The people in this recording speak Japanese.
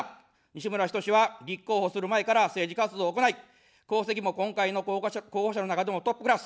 西村ひとしは立候補する前から政治活動を行い、功績も今回の候補者の中でもトップクラス。